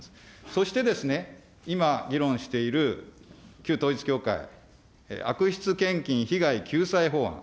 そしてですね、今、議論している旧統一教会、悪質献金被害救済法案。